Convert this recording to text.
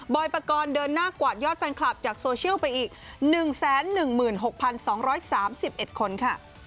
ปกรณ์เดินหน้ากวาดยอดแฟนคลับจากโซเชียลไปอีก๑๑๖๒๓๑คนค่ะ